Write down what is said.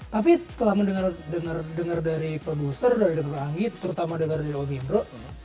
tapi setelah mendengar dari produser dari dato' anggi terutama dari om indro